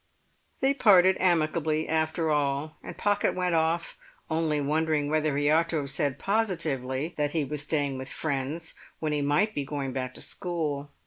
They parted amicably after all, and Pocket went off only wondering whether he ought to have said positively that he was staying with friends when he might be going back to school.